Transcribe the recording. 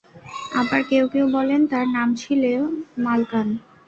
আবার কেউ কেউ বলেন, তাঁর নাম ছিল মালকান।